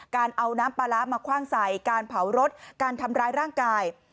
การเอาน้ำปลาร้ามาคว่างใส่การเผารถการทำร้ายร่างกาย